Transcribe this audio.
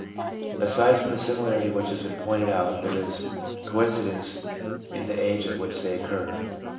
Aside from the similarity which has been pointed out, there is coincidence in the age at which they occur.